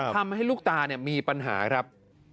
ทำให้ลูกตามีปัญหาครับ